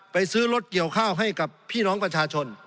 ซื้อรถเกี่ยวข้าวให้กับพี่น้องประชาชน